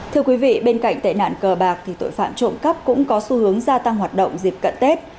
thưa quý vị bên cạnh tệ nạn cờ bạc thì tội phạm trộm cắp cũng có xu hướng gia tăng hoạt động dịp cận tết